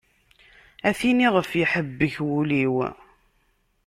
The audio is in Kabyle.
A tin ɣef iḥebbek wul-iw.